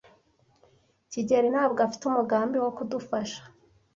kigeli ntabwo afite umugambi wo kudufasha.